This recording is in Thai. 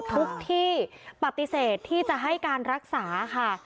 ทุกที่ปฏิเสธที่จะให้การรักษาค่ะ